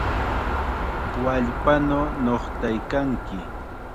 ¡Wallpanaw nuqtaykanki!